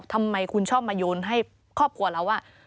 ทำไมคุณชอบมาโยนให้ครอบครัวเราว่า